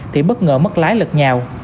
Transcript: thì bất ngờ mất lái lật nhào